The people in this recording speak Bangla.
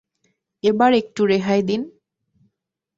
এবার একটু রেহাই দিন!